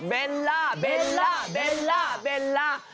เบลล่า